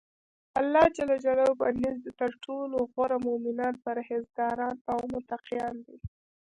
الله ج په نزد ترټولو غوره مؤمنان پرهیزګاران او متقیان دی.